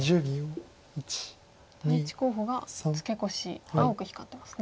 第１候補がツケコシ青く光ってますね。